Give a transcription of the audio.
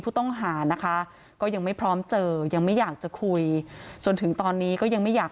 ผู้ต้องหานะคะก็ยังไม่พร้อมเจอยังไม่อยากจะคุยจนถึงตอนนี้ก็ยังไม่อยาก